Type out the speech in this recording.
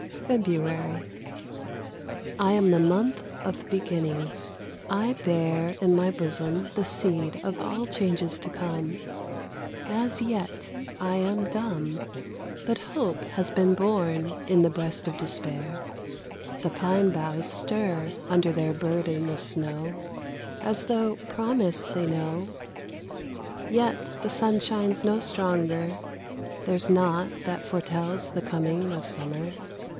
FEBRUARY. I am the month of beginnings. I bear In my bosom the seed of all changes to come. As yet I am dumb, But Hope has been born in the breast of Despair. The pine boughs stir under their burden of snow, As though promise they know, Yet the sun shines no stronger, there's naught that foretells The coming of summer.